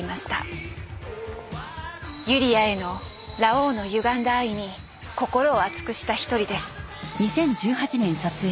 ユリアへのラオウのゆがんだ愛に心を熱くした一人です。